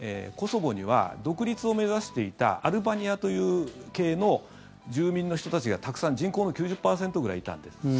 コソボには独立を目指していたアルバニア系の住民の人たちがたくさん人口の９０％くらいいたんです。